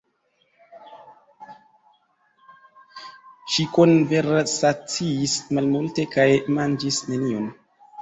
Ŝi konversaciis malmulte kaj manĝis nenion.